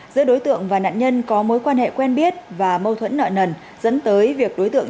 giữa đối tượng và nạn nhân có mối quan hệ quen biết và mâu thuẫn nợ nần dẫn tới việc đối tượng